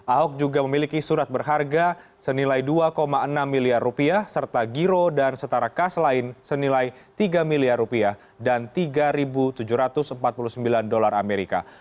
ahok juga memiliki surat berharga senilai dua enam miliar rupiah serta giro dan setara kas lain senilai tiga miliar rupiah dan tiga tujuh ratus empat puluh sembilan dolar amerika